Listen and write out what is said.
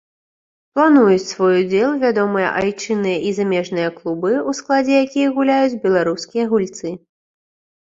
Плануюць свой удзел вядомыя айчынныя і замежныя клубы, у складзе якіх гуляюць беларускія гульцы.